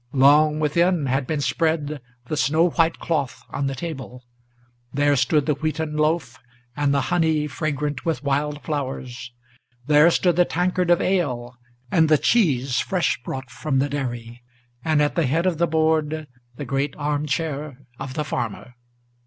Long within had been spread the snow white cloth on the table; There stood the wheaten loaf, and the honey fragrant with wild flowers; There stood the tankard of ale, and the cheese fresh brought from the dairy, And, at the head of the board, the great arm chair of the farmer.